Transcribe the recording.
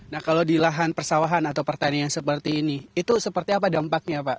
nah kalau di lahan persawahan atau pertanian seperti ini itu seperti apa dampaknya pak